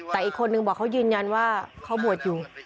แต่อีกคนนึงบอกเขายืนยันว่าเขาบวชอยู่